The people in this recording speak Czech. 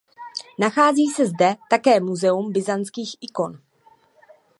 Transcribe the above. Nachází se zde také muzeum byzantských ikon.